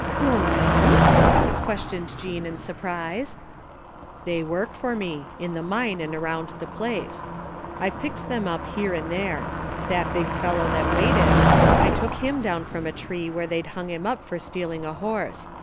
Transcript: " Your men ?" questioned Jean in surprise. " They work for me — in the mine and around the place. IVe picked them up here and there. That big fellow that waited — ^I took him down from a tree where they'd hung him up for stealing a horse.